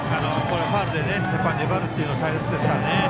ファウルで粘るというのは大切ですからね。